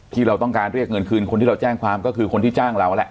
ที่เราต้องการเรียกเงินคืนคนที่เราแจ้งความก็คือคนที่จ้างเราแหละ